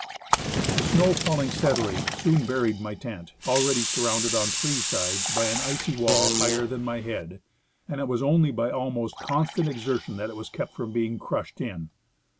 The snow, falling steadily, soon buried my tent, already surrounded on three sides by an icy wall higher than my head, and it was only by almost constant exertion that it was kept from being crushed in.